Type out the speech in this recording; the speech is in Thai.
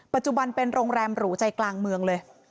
ปัจจุบันเป็นโรงแรมหรูใจกลางเมืองเลย